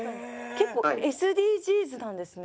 結構ＳＤＧｓなんですね。